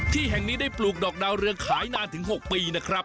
ที่แห่งนี้ได้ปลูกดอกดาวเรืองขายนานถึง๖ปีนะครับ